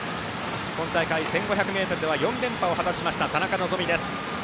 今大会１５００ｍでは４連覇を達成した田中希実です。